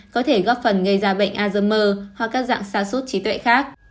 có thể góp phần gây ra bệnh alzheimer hoặc các dạng xa xút trí tuệ khác